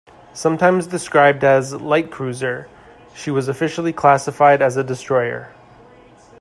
Sometimes described as a "light cruiser", she was officially classified as a destroyer.